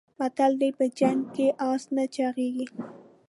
متل دی: په جنګ کې اس نه چاغېږي.